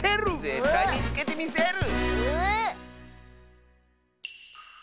ぜったいみつけてみせる！